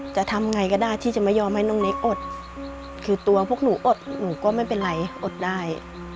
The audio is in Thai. จะทำไงก็ได้ที่จะไม่ยอมให้น้องเน็กอดคือตัวพวกหนูอดหนูก็ไม่เป็นไรอดได้